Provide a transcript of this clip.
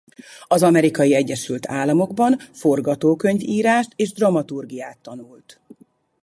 Az Amerikai Egyesült Államokban forgatókönyvírást és dramaturgiát tanult.